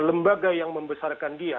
lembaga yang membesarkan dia